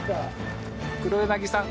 黒柳さん